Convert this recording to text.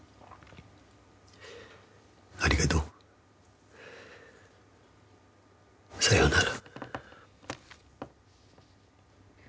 ありがとう。さようなら。